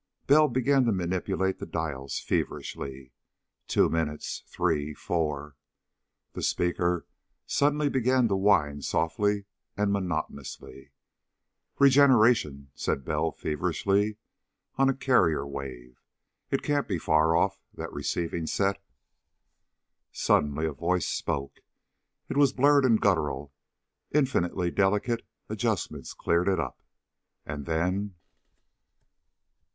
Bell began to manipulate the dials feverishly. Two minutes. Three. Four. The speaker suddenly began to whine softly and monotonously. "Regeneration," said Bell feverishly, "on a carrier wave. It can't be far off, that receiving set." Suddenly a voice spoke. It was blurred and guttural. Infinitely delicate adjustments cleared it up. And then....